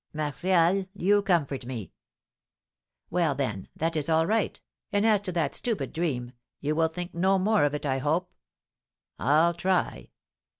"Martial, you comfort me." "Well, then, that is all right; and as to that stupid dream, you will think no more of it, I hope?" "I'll try."